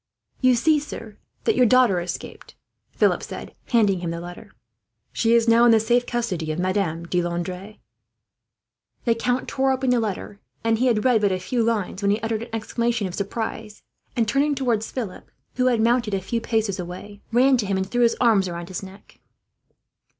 "You will see, sir, that your daughter escaped," Philip said, handing him the letter. "She is now in the safe custody of Madame de Landres." The count tore open the letter, and he had read but a few lines when he uttered an exclamation of surprise and, turning towards Philip, who had moved a few paces away, ran to him and threw his arms round his neck.